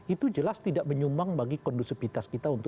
itu jelas tidak menyumbang bagi kondusifnya itu ya